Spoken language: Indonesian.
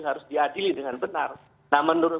harus diadili dengan benar nah menurut